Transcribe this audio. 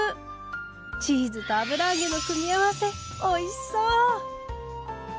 チーズと油揚げの組み合わせおいしそう！